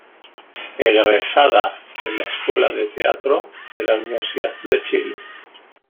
Egresada de la Escuela de teatro de la Universidad de Chile.